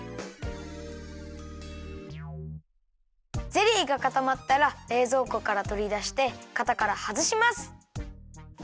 ゼリーがかたまったられいぞうこからとりだしてかたからはずします。